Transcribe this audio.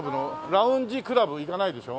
ラウンジクラブ行かないでしょ？